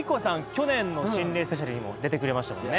去年の心霊スペシャルにも出てくれましたもんね